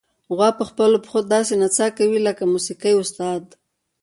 غوا په خپلو پښو داسې نڅا کوي لکه د موسیقۍ استاد.